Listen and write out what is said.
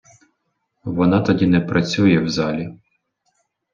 Вона тоді не працює в залі!